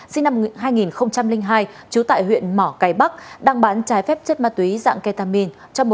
sinh năm hai nghìn hai trú tại huyện mỏ cây bắc đang bán trái phép chất ma túy dạng ketamin